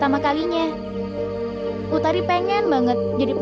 beberapa hari senyum itu bagian evang tanggal dua wisata